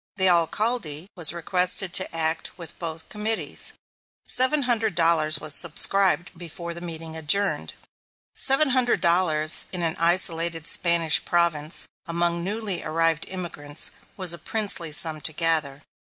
The Alcalde was requested to act with both committees. Seven hundred dollars was subscribed before the meeting adjourned. Seven hundred dollars, in an isolated Spanish province, among newly arrived immigrants, was a princely sum to gather.